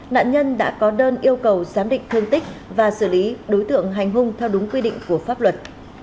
nạn nhân đã có đơn yêu cầu giám định thương tích và xử lý đối tượng hành hung theo đúng quy định của pháp luật